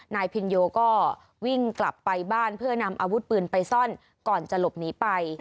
นายพินโยก็วิ่งกลับไปบ้านเพื่อนำอาวุธปืนไปซ่อนก่อนจะหลบหนีไป